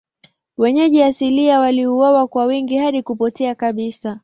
Wenyeji asilia waliuawa kwa wingi hadi kupotea kabisa.